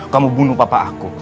kamu bunuh papa aku